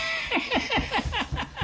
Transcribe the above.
ハハハハハ！